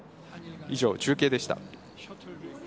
以上、中継でした。